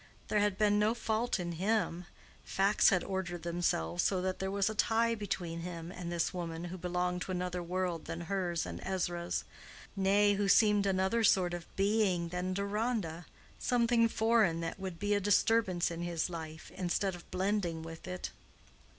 There had been no fault in him: facts had ordered themselves so that there was a tie between him and this woman who belonged to another world than hers and Ezra's—nay, who seemed another sort of being than Deronda, something foreign that would be a disturbance in his life instead of blending with it.